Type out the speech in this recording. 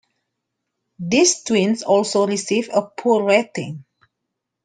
These twins also received a "poor" rating.